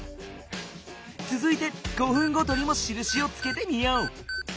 つづいて５分ごとにもしるしをつけてみよう。